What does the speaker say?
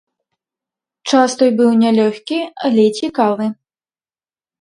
Час той быў нялёгкі, але цікавы.